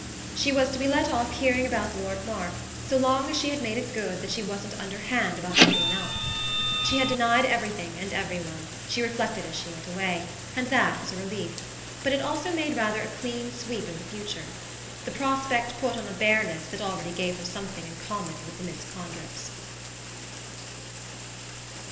She was to be let off hearing about Lord Mark so long as she made it good that she wasn't underhand about any one else. She had denied everything and every one, she reflected as she went away and that was a relief; but it also made rather a clean sweep of the future. The prospect put on a bareness that already gave her something in common with the Miss Condrips.